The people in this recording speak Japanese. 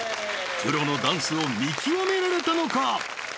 プロのダンスを見極められたのか？